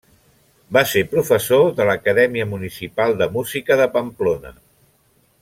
Va ser professor de l'Acadèmia Municipal de Música de Pamplona.